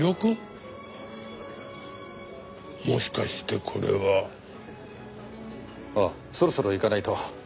もしかしてこれは。あっそろそろ行かないと。